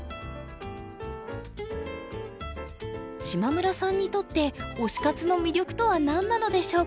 島村さんにとって推し活の魅力とは何なのでしょうか？